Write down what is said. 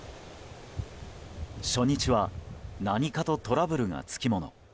初日は何かとトラブルがつきもの。